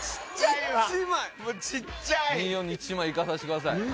もうちっちゃい２４に１枚いかさしてください